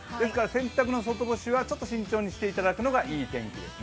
洗濯の外干しは慎重にしていただくのがいいと思います。